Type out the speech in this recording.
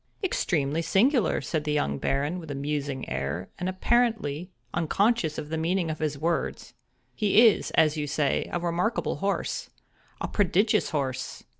"Extremely singular!" said the young Baron, with a musing air, and apparently unconscious of the meaning of his words. "He is, as you say, a remarkable horse—a prodigious horse!